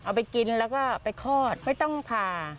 เอาไปกินแล้วก็ไปคลอดไม่ต้องผ่า